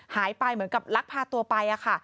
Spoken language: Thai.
หายไปเหมือนกับลักษณ์พาตัวไปค่ะ